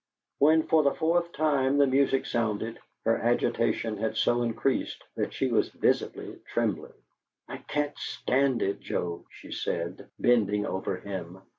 When, for the fourth time, the music sounded, her agitation had so increased that she was visibly trembling. "I can't stand it, Joe," she said, bending over him.